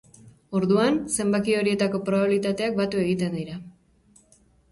Orduan, zenbaki horietako probabilitateak batu egiten dira.